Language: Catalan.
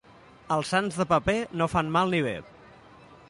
Els sants de paper no fan mal ni bé.